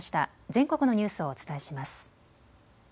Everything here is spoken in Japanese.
全国のニュースをお伝えします。